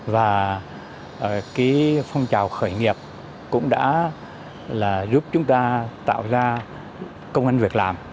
và phong trào khởi nghiệp cũng đã giúp chúng ta tạo ra công an việc làm